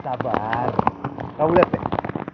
sabar kamu lihat deh